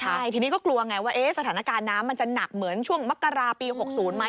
ใช่ทีนี้ก็กลัวไงว่าสถานการณ์น้ำมันจะหนักเหมือนช่วงมกราปี๖๐ไหม